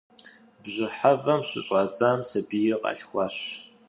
Бжьыхьэвэм щыщӏадзам сабийр къалъхуащ.